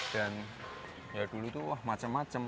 dan ya dulu itu wah macam macam